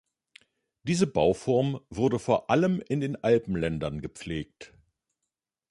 Diese Bauform wurde vor allem in den Alpenländern gepflegt.